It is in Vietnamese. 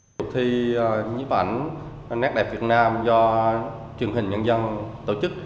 cuộc thi nhiếp ảnh nét đẹp việt nam do truyền hình nhân dân tổ chức